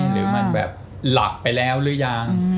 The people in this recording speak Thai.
หรือมันแบบหลับไปแล้วหรือยัง